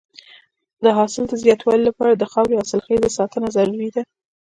د حاصل د زیاتوالي لپاره د خاورې حاصلخېزۍ ساتنه ضروري ده.